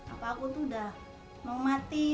apa aku tuh udah mau mati